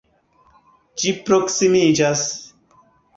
Ĝi proksimiĝas!